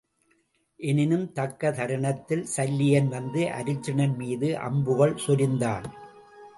எனினும் தக்க தருணத்தில் சல்லியன் வந்து அருச்சுனன் மீது அம்புகள் சொரிந்தான்.